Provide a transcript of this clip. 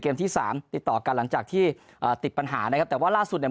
ที่สามติดต่อกันหลังจากที่ติดปัญหานะครับแต่ว่าล่าสุดเนี่ย